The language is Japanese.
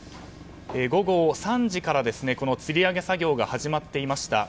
午後３時からつり上げ作業が始まっていました。